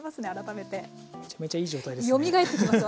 めちゃめちゃいい状態ですね。